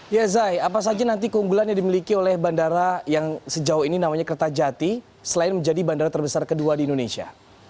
ya zai apa saja nanti keunggulan yang dimiliki oleh bandara yang sejauh ini namanya kertajati selain menjadi bandara terbesar kedua di indonesia